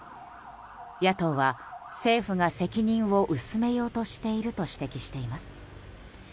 野党は、政府が責任を薄めようとしていると指摘しています。